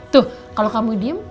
tuh kalau kamu diem